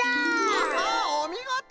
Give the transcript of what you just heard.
アッハおみごと！